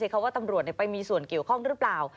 เขาว่าตำรวจไปมีส่วนเกี่ยวข้องหรือเปล่า